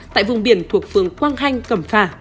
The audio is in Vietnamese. tại vùng biển thuộc phương quang hanh cẩm phả